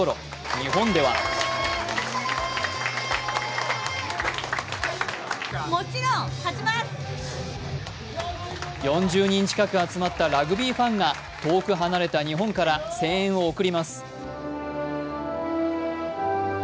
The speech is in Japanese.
日本では４０人近く集まったラグビーファンが遠く離れた日本から声援を送ります。